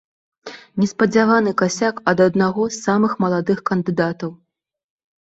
Неспадзяваны касяк ад аднаго з самых маладых кандыдатаў!